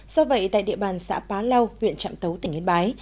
do vậy tại địa bàn xã pá lau huyện trạm tấu tỉnh yên bái